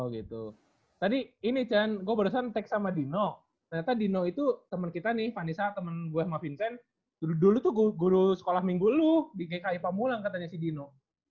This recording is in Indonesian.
oh gitu tadi ini cenz gua barusan tag sama dino ternyata dino itu temen kita nih vanisa temen gua sama vincent dulu dulu tuh guru sekolah minggu lu di kki pambulang katanya si dino